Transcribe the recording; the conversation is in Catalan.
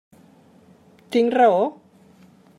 Tinc raó?